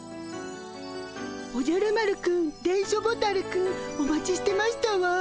おじゃる丸くん電書ボタルくんお待ちしてましたわ。